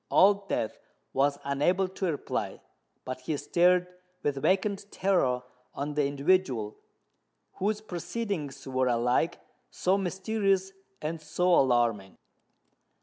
Old Death was unable to reply: but he stared with vacant terror on the individual whose proceedings were alike so mysterious and so alarming.